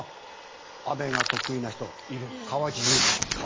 雨が得意な人川内優輝。